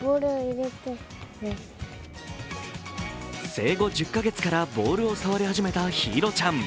生後１０か月からボールを触り始めた緋彩ちゃん。